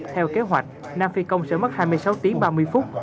theo kế hoạch nam phi công sẽ mất hai mươi sáu tiếng ba mươi phút